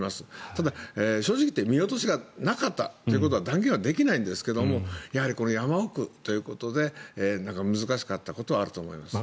ただ、正直言って見落としがなかったということは断言はできないんですがこの山奥ということで難しかったことはあると思います。